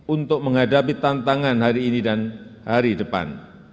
untuk menghadapi tantangan hari ini dan hari depan